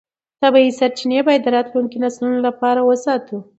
طبیعي سرچینې باید د راتلونکو نسلونو لپاره وساتو